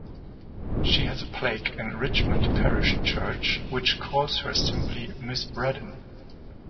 She has a plaque in Richmond parish church which calls her simply 'Miss Braddon'.